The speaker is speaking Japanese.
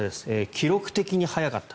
記録的に早かった。